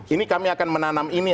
ini kami akan menanam ini